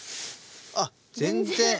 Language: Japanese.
あっ全然。